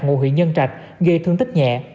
ngụ huyện nhân trạch gây thương tích nhẹ